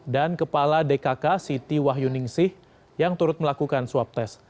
dan kepala dkk siti wahyuningsih yang turut melakukan swab test